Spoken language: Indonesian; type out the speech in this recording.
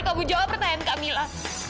kamu jawab pertanyaan kamila